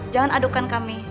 jangan adukan kami